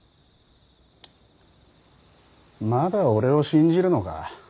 まだ俺を信じるのか。